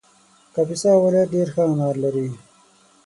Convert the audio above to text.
کاپیسا ولایت ډېر ښه انار لري